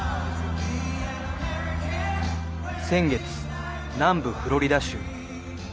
先月、南部フロリダ州。